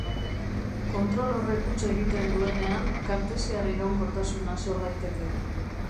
Kontrol horrek huts egiten duenean, kartesiar iraunkortasuna sor daiteke.